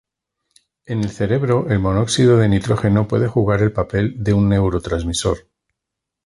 En el cerebro el monóxido de nitrógeno puede jugar el papel de un neurotransmisor.